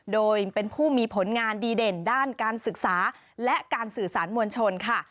โดยเป็นผู้มีผลงานดีเด่นด้านการศึกษาและการสื่อสารมวลชนค่ะ